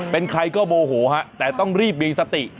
เป็นใครก็โมโหฮะแต่ต้องรีบมีสติ